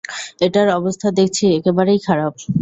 এটার অবস্থা দেখছি একেবারেই খারাপ।